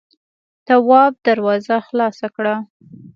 تواب دروازه خلاصه کړه.